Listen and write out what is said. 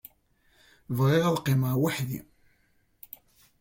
Bɣiɣ ad qqimeɣ weḥd-i.